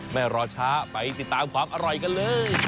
ไม่รอช้าไปติดตามความอร่อยกันเลย